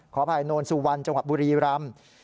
ขออภัยโนนสุวรรณจังหวัดบุรีรำ